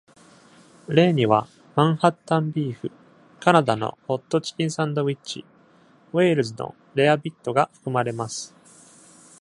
例にはマンハッタンビーフ、カナダのホットチキンサンドイッチ、ウェールズのレアビットが含まれます。